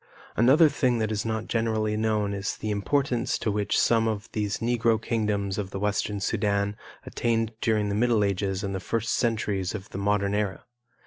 Another thing that is not generally known is the importance to which some of these Negro kingdoms of the Western Sudan attained during the middle ages and the first centuries of the modern era.